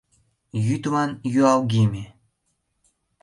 Йӱдлан юалгеме.